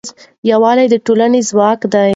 یووالی د ټولنې ځواک دی.